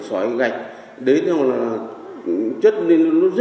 xoáy gạch đến trong là